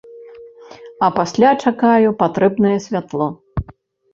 А пасля чакаю патрэбнае святло.